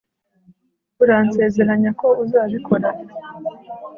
uransezeranya ko uzabikora